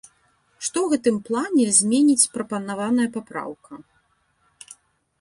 Што ў гэтым плане зменіць прапанаваная папраўка?